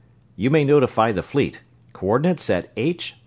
"You may notify the fleet co ordinates H 11.